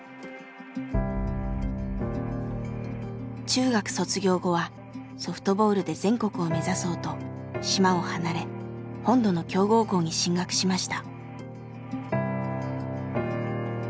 中学卒業後はソフトボールで全国を目指そうと島を離れ本土の強豪校に進学しました。